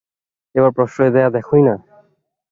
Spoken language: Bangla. একবার প্রশ্রয় দিয়া দেখোই-না।